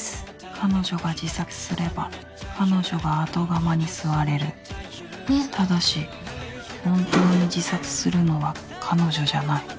彼女が自殺すれば彼女が後釜に座れるただし本当に自殺するのは彼女じゃない。